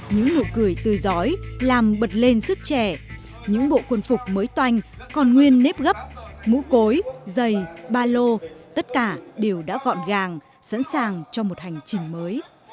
những nụ cười tươi giói làm bật lên sức trẻ những bộ quân phục mới toanh còn nguyên nếp gấp mũ cối dày ba lô tất cả đều đã gọn gàng sẵn sàng cho một hành trình mới